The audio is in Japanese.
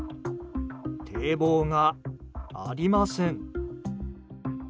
堤防がありません。